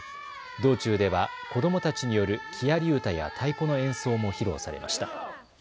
道中では子どもたちによる木やり歌や太鼓の演奏も披露されました。